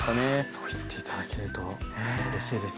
そう言っていただけるとうれしいです。